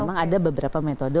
memang ada beberapa metode